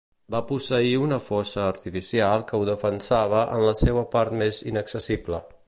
Va posseir una fossa artificial que ho defensava en la seua part més inaccessible.